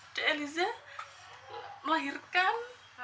adik eliza melahirkan